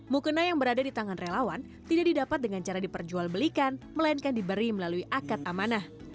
mukena yang berada di tangan relawan tidak didapat dengan cara diperjualbelikan melainkan diberi melalui akad amanah